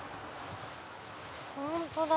本当だ！